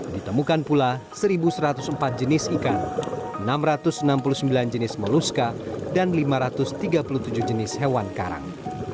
ditemukan pula satu satu ratus empat jenis ikan enam ratus enam puluh sembilan jenis moluska dan lima ratus tiga puluh tujuh jenis hewan karang